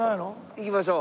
行きましょう。